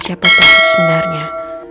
siapa tau sebenarnya